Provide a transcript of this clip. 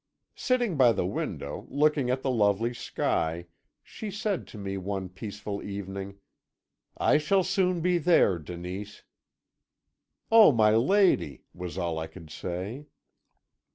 "Sitting by the window, looking at the lovely sky, she said to me one peaceful evening: "'I shall soon be there, Denise.' "'Oh, my lady!' was all I could say.